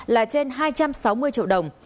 là trên hai trăm sáu mươi triệu đồng